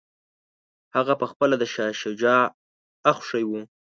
هغه پخپله د شاه شجاع اخښی وو.